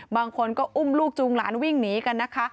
บางคนก็อุ้มลูกจูงหลานวิ่งหนีกันนะคะ